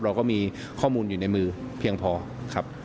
เราก็มีข้อมูลอยู่ในมือเพียงพอครับ